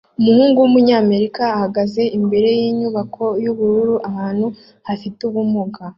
Umuhungu wumunyamerika uhagaze imbere yinyubako yubururu ahantu hafite ubumuga